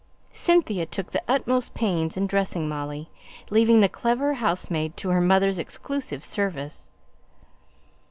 Cynthia took the utmost pains in dressing Molly, leaving the clever housemaid to her mother's exclusive service.